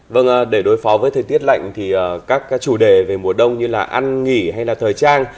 vâng để đối phó với thời tiết lạnh thì các chủ đề về mùa đông như là ăn nghỉ hay là thời trang